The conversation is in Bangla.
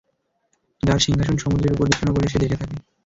যার সিংহাসন সমুদ্রের উপর বিছানো বলে সে দেখে থাকে।